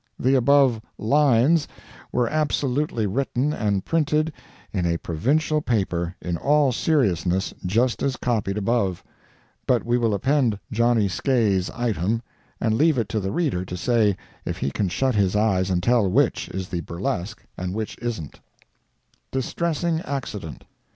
The above "Lines" were absolutely written and printed in a Provincial paper, in all seriousness, just as copied above; but we will append "Johnny Skae's Item," and leave it to the reader to say if he can shut his eyes and tell which is the burlesque and which isn't: DISTRESSING ACCIDENT.